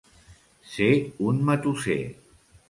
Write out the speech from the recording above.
Ser un matusser.